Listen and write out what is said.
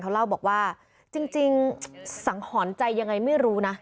เขาเล่าบอกว่าจริงสังหรณ์ใจยังไงไม่รู้นะ